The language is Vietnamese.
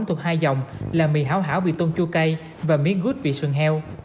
thuộc hai dòng là mì hảo hảo vị tôm chua cây và miếng gút vị sườn heo